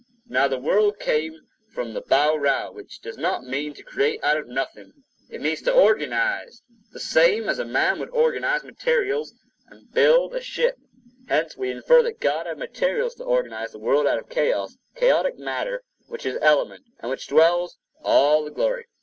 Now, the word create came from the baurau which does not mean to create out of nothing; it means to organize; the same as a man would organize materials and build a ship.5 Hence, we infer that God had materials to organize the world out of chaos—chaotic matter, which is element, and in which dwells all the glory.